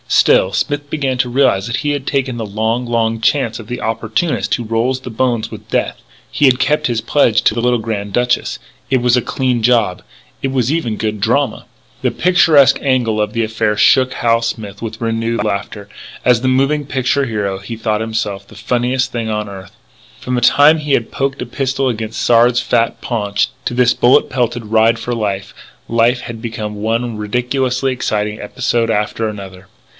Still, Smith began to realise that he had taken the long, long chance of the opportunist who rolls the bones with Death. He had kept his pledge to the little Grand Duchess. It was a clean job. It was even good drama The picturesque angle of the affair shook Hal Smith with renewed laughter. As a moving picture hero he thought himself the funniest thing on earth. From the time he had poked a pistol against Sard's fat paunch, to this bullet pelted ride for life, life had become one ridiculously exciting episode after another.